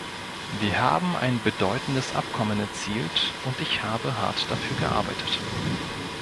Wir haben ein bedeutendes Abkommen erzielt, und ich habe hart dafür gearbeitet.